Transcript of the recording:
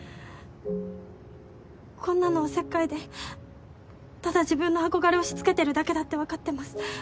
こんなのおせっかいでただ自分の憧れ押し付けてるだけだって分かってます。